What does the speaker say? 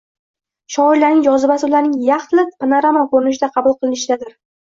Shiorlarning jozibasi - ularning yaxlit panorama ko‘rinishida qabul qilinishidadir.